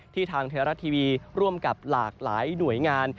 ทางไทยรัฐทีวีร่วมกับหลากหลายหน่วยงาน